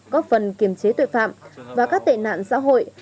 góp phần kiềm chế tội phạm và các tệ nạn xã hội